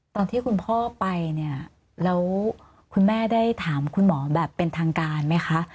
ตอนที่คุณพ่อไปเนี่ยแล้วคุณแม่ได้ถามคุณหมอแบบเป็นทางการไหมคะ